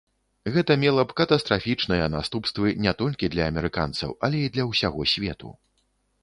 Гэта мела б катастрафічныя наступствы не толькі для амерыканцаў, але і для ўсяго свету.